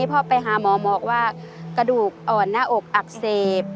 พ่อไปหาหมอหมอบอกว่ากระดูกอ่อนหน้าอกอักเสบ